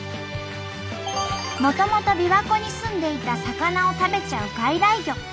もともとびわ湖に住んでいた魚を食べちゃう外来魚。